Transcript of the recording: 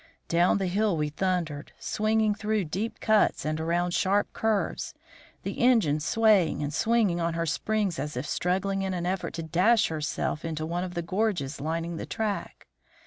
Down the hill we thundered, swinging through deep cuts and around sharp curves, the engine swaying and swinging on her springs as if struggling in an effort to dash herself into one of the gorges lining the track.